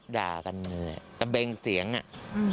ด่ากันเลยตะเบงเสียงอ่ะ